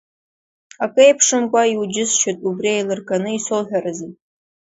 Акы еиԥшымкәа иуџьысшьоит убри еилырганы исоуҳәаразы.